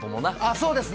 そうですね。